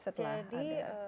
setelah ada pengobatan